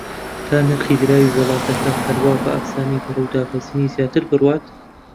تا نرخی دراوی وڵاتەکە هەروا بە ئاسانی بەرەو دابەزینی زیاتر بڕوات